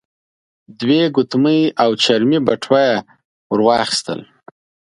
دوې ګوتمۍ او چرمې بټوه يې ور واخيستل.